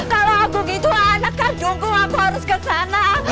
kalau aku gitu anak kandungku aku harus ke sana